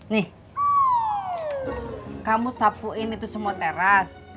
nih kamu sapuin itu semua teras